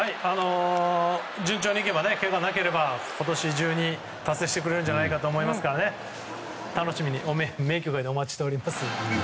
順調にいけばけががなければ今年中に達成してくれると思いますから楽しみに名球会でお待ちしております。